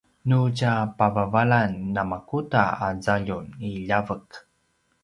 nu tja pavavalan namakuda a zaljum i ljavek?